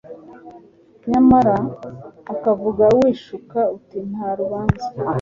Nyamara ukavuga wishuka uti Nta rubanza